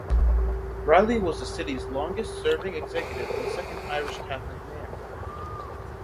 Riley was the city's longest serving executive and second Irish Catholic mayor.